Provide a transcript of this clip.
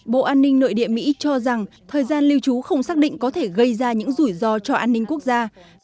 bộ an ninh nội địa mỹ cho rằng thời gian lưu trú không xác định có thể gây ra những rủi ro cho an ninh quốc gia